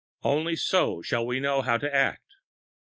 Only so shall we know how to act.